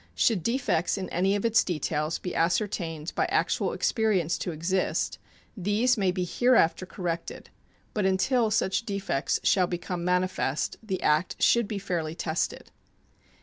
Should defects in any of its details be ascertained by actual experience to exist, these may be hereafter corrected; but until such defects shall become manifest the act should be fairly tested.